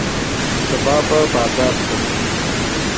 پر سبا يې بيا د همدې ترياکو شېدې په ترياكيو کښې راټولولې.